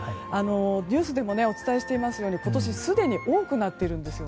ニュースでもお伝えしていますように今年すでに多くなっているんです。